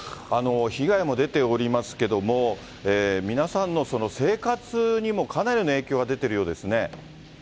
被害も出ておりますけれども、皆さんの生活にもかなりの影響が出ているようですね。